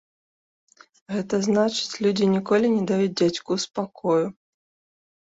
Гэта значыць, людзі ніколі не даюць дзядзьку спакою.